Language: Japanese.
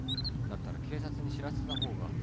だったら警察に知らせた方が。